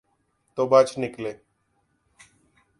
تو بچ نکلے۔